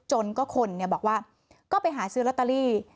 จนก็คนบอกว่าก็ไปหาซื้อลอตเตอรี่